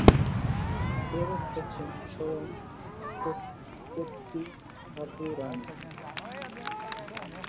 প্রেরক হচ্ছেন স্বয়ং কর্ত্রীঠাকুরানী।